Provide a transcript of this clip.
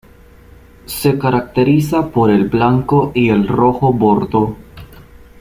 Se caracteriza por el blanco y el rojo-bordó.